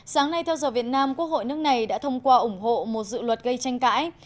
sáng nay theo giờ việt nam quốc hội nước này đã thông qua ủng hộ một dự luật gây tranh cãi